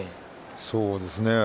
そうですね。